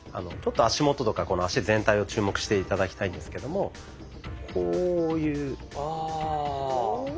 ちょっと足元とか脚全体を注目して頂きたいんですけどもこういう。